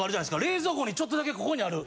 冷蔵庫にちょっとだけここにある。